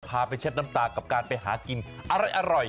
พาไปเช็ดน้ำตากับการไปหากินอร่อย